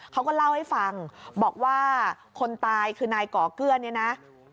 เขาก็เล่าให้ฟังบอกว่าคนตายคือนายก่อเกื้อเนี่ยนะ